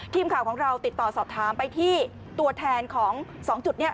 ทีมข่าวของเราติดต่อสอบถามไปที่ตัวแทนของ๒จุดนี้